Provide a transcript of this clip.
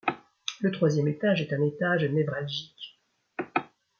Le troisième étage est un étage névralgique.